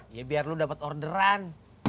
ya biar lu dapat orderan